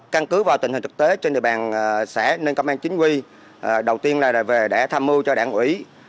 căn cứ vào tình hình thực tế trên địa bàn xã nên công an chính quy đầu tiên là về để tham mưu cho đảng ủy